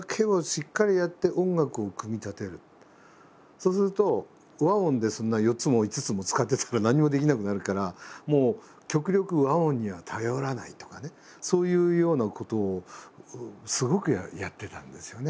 そうすると和音でそんな４つも５つも使ってたら何にもできなくなるからもう極力和音には頼らないとかねそういうようなことをすごくやってたんですよね。